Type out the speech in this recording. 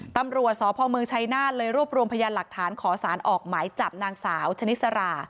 ตำรวจสพเมืองชัยนาธเลยรวบรวมพยานหลักฐานขอสารออกหมายจับนางสาวชนิสรา